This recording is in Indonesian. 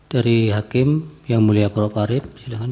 dari hakim yang mulia prof arief silakan